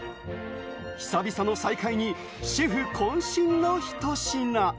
久々の再会にシェフ渾身のひと品。